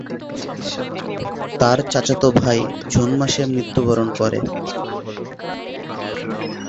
তার চাচাতো ভাই জুন মাসে মৃত্যুবরণ করে।